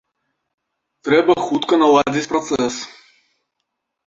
Трэба хутка наладзіць працэс.